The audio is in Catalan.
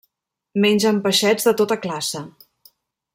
Mengen peixets de tota classe.